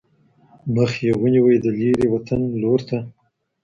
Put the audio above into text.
مخ یې ونیوۍ د لیري وطن لورته